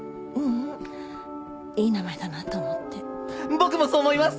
僕もそう思います！